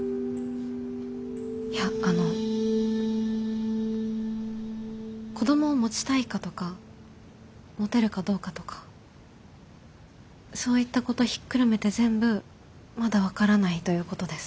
いやあの子どもを持ちたいかとか持てるかどうかとかそういったことひっくるめて全部まだ分からないということです。